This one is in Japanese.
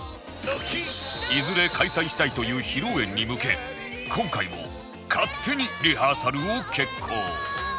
いずれ開催したいという披露宴に向け今回も勝手にリハーサルを決行！